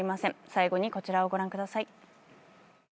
最後にこちらをご覧ください。